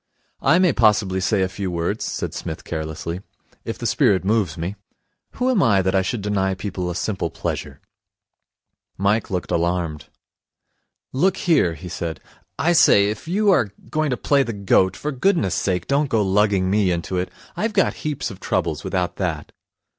'I may possibly say a few words,' said Psmith carelessly, 'if the spirit moves me. Who am I that I should deny people a simple pleasure?' Mike looked alarmed. 'Look here,' he said, 'I say, if you are going to play the goat, for goodness' sake don't go lugging me into it. I've got heaps of troubles without that.'